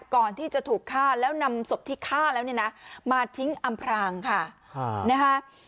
ก่อนที่จะถูกฆ่าแล้วนำศพที่ฆ่าแล้วเนี่ยนะมาทิ้งอำพรางค่ะนะฮะ